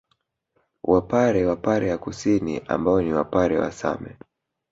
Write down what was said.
Wapare wa Pare ya Kusini ambao ni Wapare wa Same